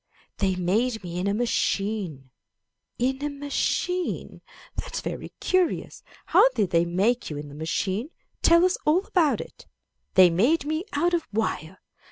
They made me in a machine. In a machine? That's very curious! How did they make you in the machine? Tell us all about it! They made me out of wire.